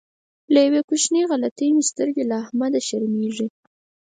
له یوې کوچنۍ غلطۍ مې سترګې له احمده شرمېږي.